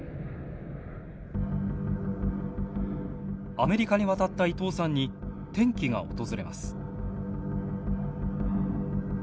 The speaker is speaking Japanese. アメリカに渡った伊藤さんに転機が訪れます。